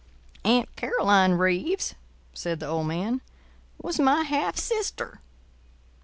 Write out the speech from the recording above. "Aunt Caroline Reeves," said the old man, "was my half sister."